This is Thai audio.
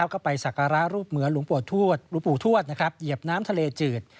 ก็ไปศักรารูปเหมือนหลวงปู่ทวดเหยียบน้ำทะเลจืด